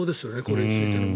これについての。